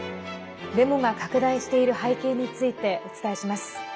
デモが拡大している背景についてお伝えします。